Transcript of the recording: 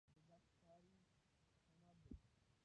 د ګچ کاري هنر دی